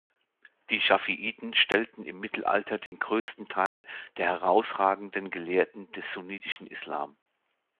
Die Schāfiʿiten stellten im Mittelalter den größten Teil der herausragenden Gelehrten des sunnitischen Islam.